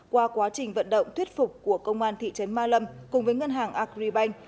qua quá trình vận động thuyết phục của công an thị trấn ma lâm cùng với ngân hàng agribank